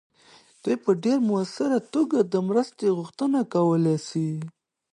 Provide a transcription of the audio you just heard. دوی په ډیر مؤثره توګه د مرستې غوښتنه کولی سي.